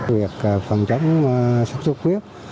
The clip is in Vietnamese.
việc phòng chống dịch sốt xuất huyết